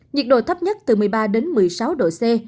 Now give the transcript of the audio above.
nhiệt độ thấp nhất từ một mươi ba đến một mươi sáu độ c